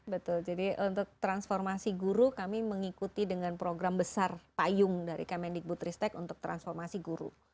betul jadi untuk transformasi guru kami mengikuti dengan program besar payung dari kemendikbutristek untuk transformasi guru